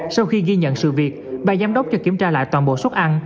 sau khi ghi nhận sự việc bà giám đốc cho kiểm tra lại toàn bộ xuất ăn